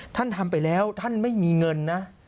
ทำไปแล้วท่านไม่มีเงินนะ